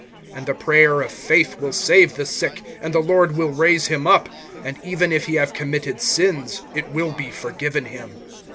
(15)And the prayer of faith will save the sick, and the Lord will raise him up; and even if he have committed sins, it will be forgiven him.